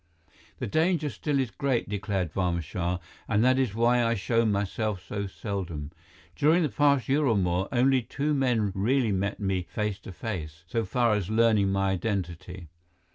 "The danger still is great," declared Barma Shah, "and that is why I show myself so seldom. During the past year or more, only two men really met me face to face, so far as learning my identity.